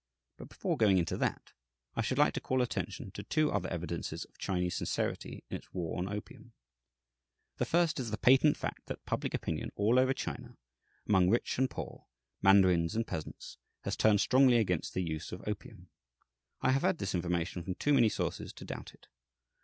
But before going into that, I should like to call attention to two other evidences of Chinese sincerity in its war on opium. The first is the patent fact that public opinion all over China, among rich and poor, mandarins and peasants, has turned strongly against the use of opium. I have had this information from too many sources to doubt it.